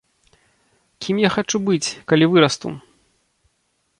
Кім я хачу быць, калі вырасту.